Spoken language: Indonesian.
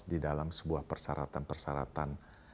di dalam sebuah persyaratan persyaratan